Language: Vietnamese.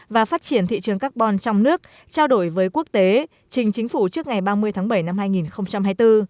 và phát triển thị trường carbon trong nước trao đổi với quốc tế trình chính phủ trước ngày ba mươi tháng bảy năm hai nghìn hai mươi bốn